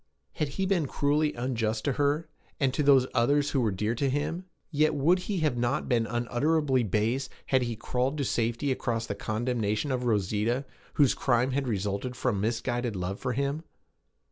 Had he been cruelly unjust to her, and to those others who were dear to him? Yet would he not have been unutterably base had he crawled to safety across the condemnation of Rosita, whose crime had resulted from misguided love for him?